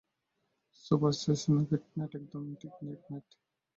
Supersize nugget নেট একদম ঠিক নেইট, নেইট।